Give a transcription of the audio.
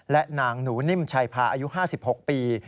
และนางหนูนิ่มชัยพาอายุ๕๖ปี